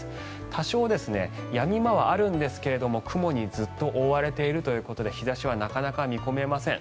多少、やみ間はあるんですが雲にずっと覆われているということで日差しはなかなか見込めません。